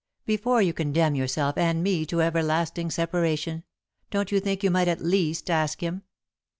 Before you condemn yourself and me to everlasting separation, don't you think you might at least ask him?"